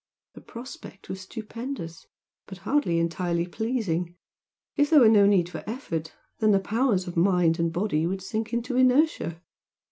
The prospect was stupendous, but hardly entirely pleasing. If there were no need for effort, then the powers of mind and body would sink into inertia.